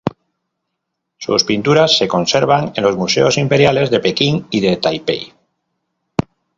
Sus pinturas se conservan en los museos imperiales de Pekín y de Taipei.